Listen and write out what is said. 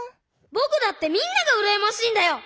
ぼくだってみんながうらやましいんだよ！